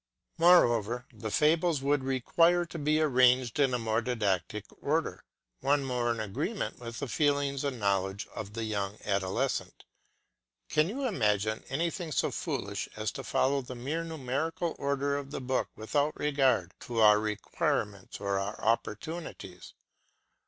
Moreover, the fables would require to be arranged in a more didactic order, one more in agreement with the feelings and knowledge of the young adolescent. Can you imagine anything so foolish as to follow the mere numerical order of the book without regard to our requirements or our opportunities.